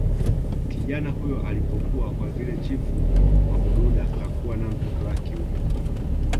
kijana huyo alipokua kwa vile chifu mwamududa hakuwa na mtoto wa kiume